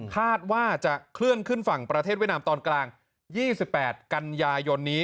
คาดว่าจะเคลื่อนขึ้นฝั่งประเทศเวียดนามตอนกลาง๒๘กันยายนนี้